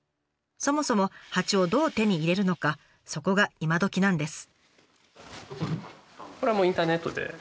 そもそも蜂をどう手に入れるのかそこが今どきなんです。